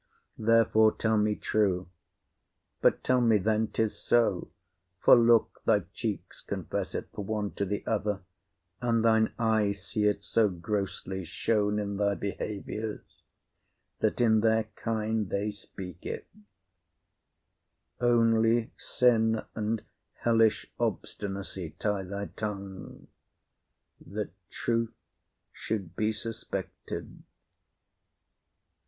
Therefore tell me true; But tell me then, 'tis so; for, look, thy cheeks Confess it, t'one to th'other; and thine eyes See it so grossly shown in thy behaviours, That in their kind they speak it; only sin And hellish obstinacy tie thy tongue, That truth should be suspected.